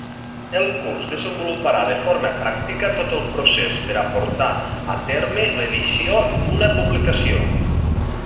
El curs desenvoluparà de forma pràctica tot el procés per a portar a terme l'edició d'una publicació.